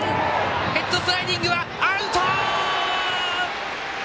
ヘッドスライディングはアウト！